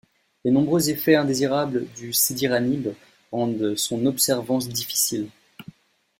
Les nombreux effets indésirables du cediranib rendent son observance difficile.